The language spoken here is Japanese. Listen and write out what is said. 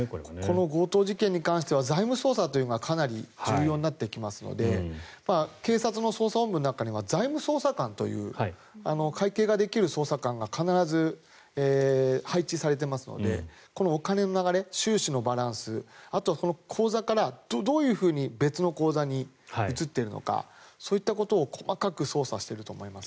この強盗事件に関しては財務捜査がかなり重要になってきますので警察の捜査本部の中には財務捜査官という会計ができる捜査官が必ず配置されていますのでこのお金の流れ収支のバランス、あとは口座からどういうふうに別の口座に移っているのかそういったことを細かく捜査していると思います。